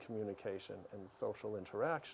mungkin ada terjadi